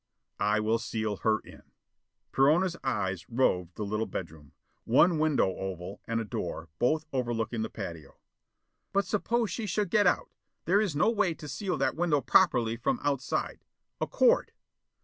"I will seal her in." Perona's eyes roved the little bedroom. One window oval and a door, both overlooking the patio. "But suppose she should get out? There is no way to seal that window properly from outside. A cord!"